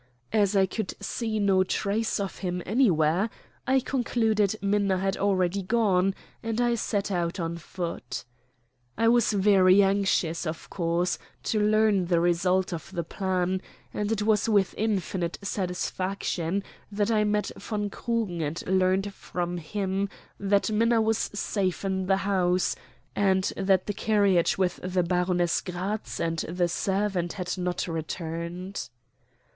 As I could see no trace of him anywhere, I concluded Minna had already gone, and I set out on foot. I was very anxious, of course, to learn the result of the plan, and it was with infinite satisfaction that I met von Krugen and learned from him that Minna was safe in the house, and that the carriage with the Baroness Gratz and the servant had not returned.